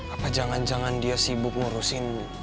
apa jangan jangan dia sibuk ngurusin